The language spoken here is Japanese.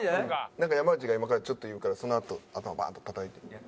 なんか山内が今からちょっと言うからそのあと頭バーンと叩いて。